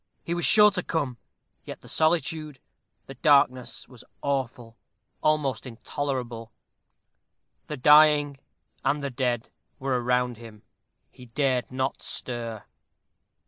He was sure to come. Yet the solitude the darkness was awful, almost intolerable. The dying and the dead were around him. He dared not stir.